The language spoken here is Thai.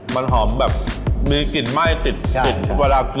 มันหอมแบบมีกลิ่นไหม้ติดติดใช่